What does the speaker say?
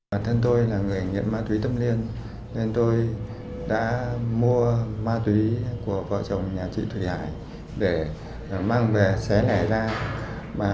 bản thân tôi là người nghiện ma túy tâm liên tôi đã mua ma túy của vợ chồng nhà chị thủy hải để mang về xé này ra